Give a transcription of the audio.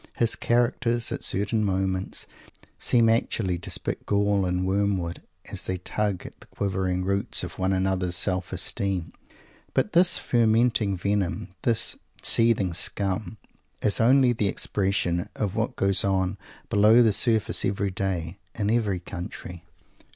His characters, at certain moments, seem actually to spit gall and wormwood, as they tug at the quivering roots of one another's self esteem. But this fermenting venom, this seething scum, is only the expression of what goes on below the surface every day, in every country.